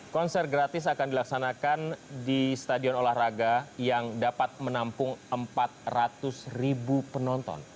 konser gratis akan dilaksanakan di stadion olahraga yang dapat menampung empat ratus ribu penonton